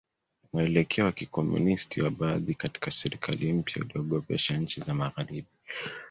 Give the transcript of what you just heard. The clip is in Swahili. Mwelekeo wa Kikomunisti wa baadhi katika serikali mpya uliogopesha nchi za Magharibi